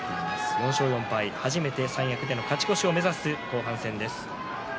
４勝４敗、初めて三役での勝ち越しを目指す後半戦です。